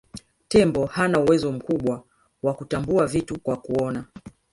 Tembo hana uwezo mkubwa wa kutambua vitu kwa kuona